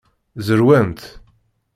Zerwent.